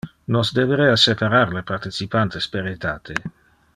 Nos deberea separar le participantes per etate.